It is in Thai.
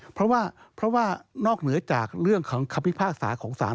เพราะว่านอกเหนือจากเรื่องของความวิภาคศาสตร์ของสาร